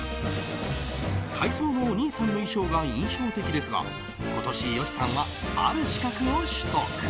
体操のお兄さんの衣装が印象的ですが今年、善しさんはある資格を取得。